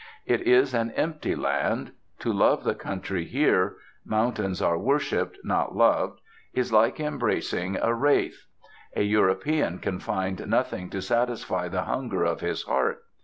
It is an empty land. To love the country here mountains are worshipped, not loved is like embracing a wraith. A European can find nothing to satisfy the hunger of his heart.